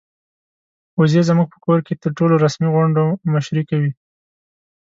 وزې زموږ په کور کې د ټولو رسمي غونډو مشري کوي.